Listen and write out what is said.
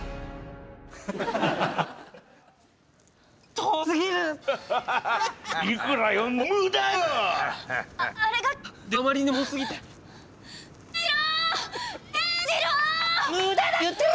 遠すぎる！